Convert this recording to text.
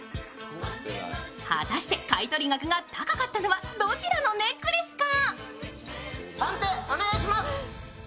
果たして買取額が高かったのはどちらのネックレスか。